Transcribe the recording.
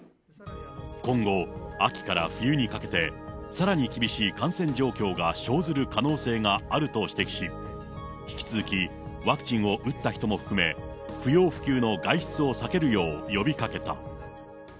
今後、秋から冬にかけて、さらに厳しい感染状況が生ずる可能性があると指摘し、引き続き、ワクチンを打った人も含め、不要不急の外出を避けるよう呼びかけた。